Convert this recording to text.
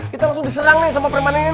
kita langsung diserang sama perempuan ini